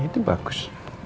ya itu bagus